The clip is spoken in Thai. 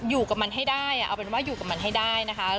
อยู่กับมันให้ได้เอาเป็นว่าอยู่กับมันให้ได้นะคะ